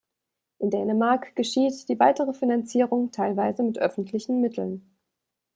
In Dänemark geschieht die weitere Finanzierung teilweise mit öffentlichen Mitteln.